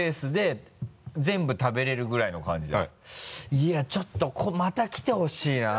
いやちょっとまた来てほしいな。